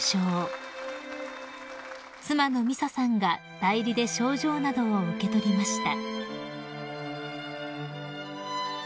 ［妻の美砂さんが代理で賞状などを受け取りました］